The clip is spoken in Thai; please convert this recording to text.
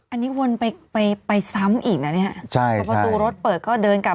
อันนี้วนไปไปซ้ำอีกนะเนี่ยใช่พอประตูรถเปิดก็เดินกลับ